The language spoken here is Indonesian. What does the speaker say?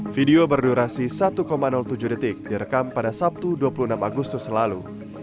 video berdurasi satu tujuh detik direkam pada sabtu dua puluh enam agustus lalu